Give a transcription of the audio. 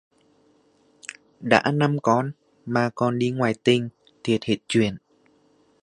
Đã năm con mà còn đi ngoại tình, thiệt hết chuyện